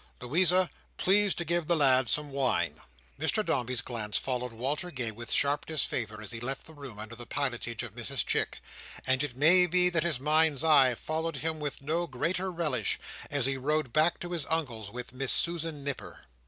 Louisa, please to give the lad some wine." Mr Dombey's glance followed Walter Gay with sharp disfavour, as he left the room under the pilotage of Mrs Chick; and it may be that his mind's eye followed him with no greater relish, as he rode back to his Uncle's with Miss Susan Nipper.